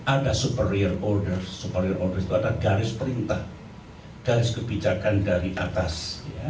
ada superior order superior order itu ada garis perintah garis kebijakan dari atas